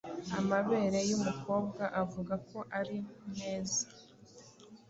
amabere y’umukobwa avuga ko ari meza